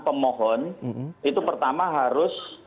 pemohon itu pertama harus